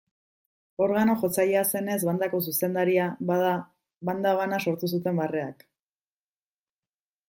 Organo-jotzailea zenez bandako zuzendaria, bada, banda bana sortu zuten barreak.